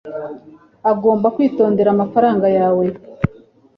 ugomba kwitondera amafaranga yawe